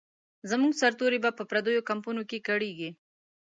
زموږ سرتوري به په پردیو کمپونو کې کړیږي.